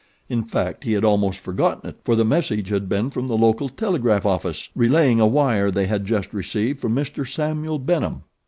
In fact he had almost forgotten it, for the message had been from the local telegraph office relaying a wire they had just received from Mr. Samuel Benham.